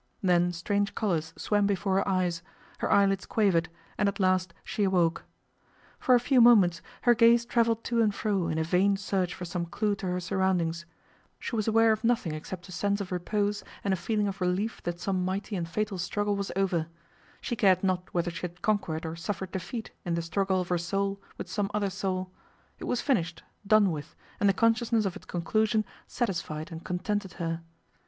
Then strange colours swam before her eyes, her eyelids wavered, and at last she awoke. For a few moments her gaze travelled to and fro in a vain search for some clue to her surroundings, was aware of nothing except sense of repose and a feeling of relief that some mighty and fatal struggle was over; she cared not whether she had conquered or suffered defeat in the struggle of her soul with some other soul; it was finished, done with, and the consciousness of its conclusion satisfied and contented her.